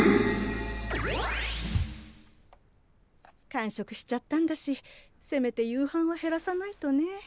間食しちゃったんだしせめて夕飯は減らさないとね。